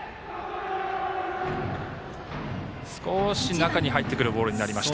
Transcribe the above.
少し中に入ってくるボールになりました。